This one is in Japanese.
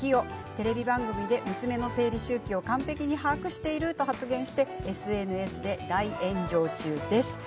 テレビ番組で娘の生理周期を完璧に把握していると発言してＳＮＳで大炎上中です。